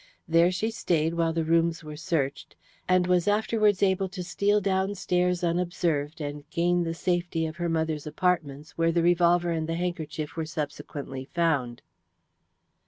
There she stayed while the rooms were searched, and was afterwards able to steal downstairs unobserved and gain the safety of her mother's apartments, where the revolver and the handkerchief were subsequently found."